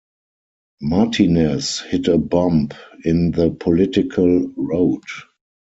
Martinez hit a bump in the political road.